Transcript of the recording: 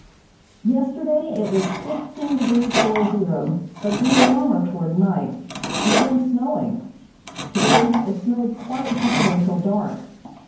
Yesterday it was fifteen degrees below zero, but grew warmer toward night, and began snowing. Today it snowed quite hard until dark.